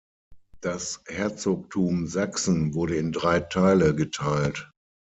Das Herzogtum Sachsen wurde in drei Teile geteilt.